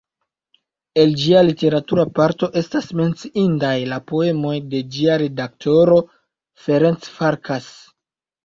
El ĝia literatura parto estas menciindaj la poemoj de ĝia redaktoro, Ferenc Farkas.